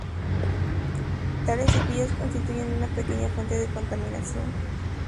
Tales cepillos constituyen una pequeña fuente de contaminación.